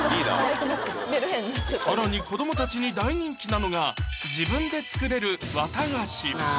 更に子どもたちに大人気なのが自分で作れる綿がし